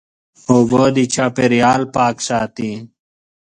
اوبه د چاپېریال پاک ساتي.